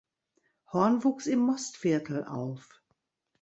Horn wuchs im Mostviertel auf.